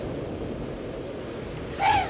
先生！